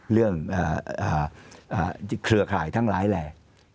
เครือข่ายทั้งหลายแหล่